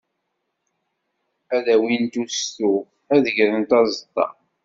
Ad d-awint ustu, ad grent aẓeṭṭa.